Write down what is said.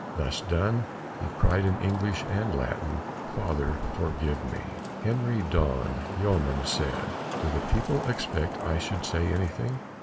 Thus done, he cried in English and Latin, Father, forgive me. Henry Donn, Yeoman, said, Do the people expect I should say anything?